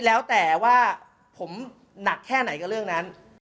แล้วแต่ว่าผมหนักแค่ไหนกับเรื่องนั้น